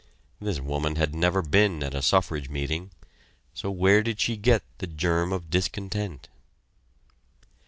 This woman had never been at a suffrage meeting so where did she get the germ of discontent?